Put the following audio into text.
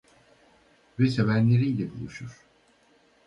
Ve sevenleriyle buluşur.